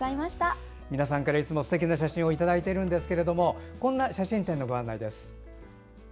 皆さんからいつもすてきな写真をいただいてるんですけれどもこんな写真展のご案内です。